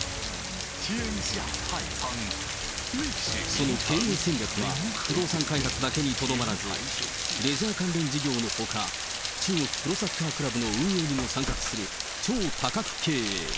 その経営戦略は、不動産開発だけにとどまらず、レジャー関連事業のほか、中国プロサッカークラブの運営にも参画する、超多角経営。